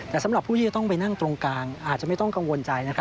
แต่สำหรับผู้ที่จะต้องไปนั่งตรงกลางอาจจะไม่ต้องกังวลใจ